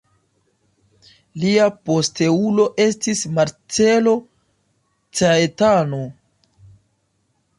Lia posteulo estis Marcello Caetano.